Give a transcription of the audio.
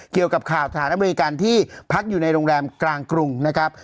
เกี่ยวกับข่าวสถานอเมริกันที่พักอยู่ในโรงแรมกลางกรุงนะครับ